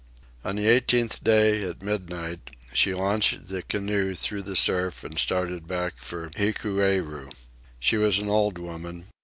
On the eighteenth day, at midnight, she launched the canoe through the surf and started back for Hikueru. She was an old woman.